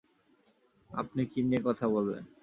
আপনি কী নিয়ে কথা বলবেন?